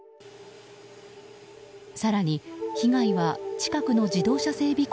更に被害は近くの自動車整備